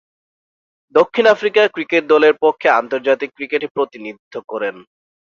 দক্ষিণ Africa cricket দলের পক্ষে আন্তর্জাতিক ক্রিকেটে প্রতিনিধিত্ব করেন।